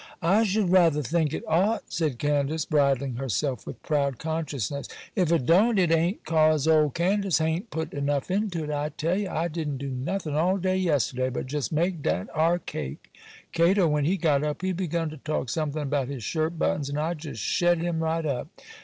'I should rather think it ought,' said Candace, bridling herself with proud consciousness; 'if it don't it a'n't 'cause old Candace ha'n't put enough into it. I tell ye, I didn't do nothing all day yesterday but just make dat ar cake. Cato, when he got up, he begun to talk something about his shirt buttons, and I just shet him right up.